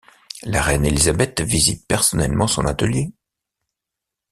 La Reine Élisabeth visite personnellement son atelier.